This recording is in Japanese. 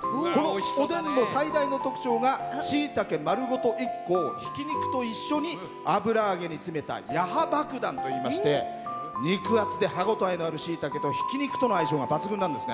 このおでんの最大の特徴がしいたけ丸ごと１個ひき肉と一緒に油揚げにつけた「やはばくだん」といいまして肉厚で歯応えのあるしいたけとひき肉との相性がいいんですね。